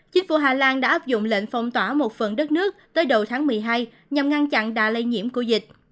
chính phủ hà lan đã áp dụng lệnh phong tỏa một phần đất nước tới đầu tháng một mươi hai nhằm ngăn chặn đà lây nhiễm của dịch